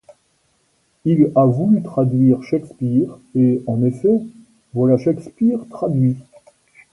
Il a voulu traduire Shakespeare, et, en effet, voilà Shakespeare traduit.